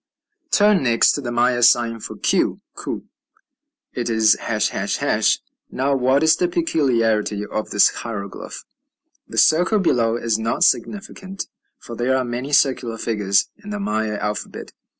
Turn next to the Maya sign for q (ku): it is ###. Now what is the peculiarity of this hieroglyph? The circle below is not significant, for there are many circular figures in the Maya alphabet.